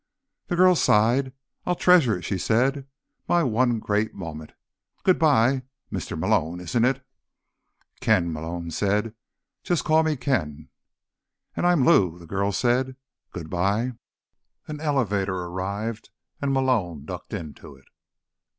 The girl sighed. "I'll treasure it," she said. "My one great moment. Goodbye, Mr.—Malone, isn't it?" "Ken," Malone said. "Just call me Ken." "And I'm Lou," the girl said. "Goodbye." An elevator arrived and Malone ducked into it.